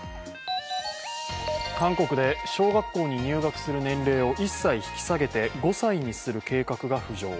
韓国で小学校に入学する年齢を１歳引き下げて５歳にする計画が浮上。